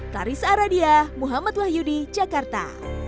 larissa aradia muhammad wahyudi jakarta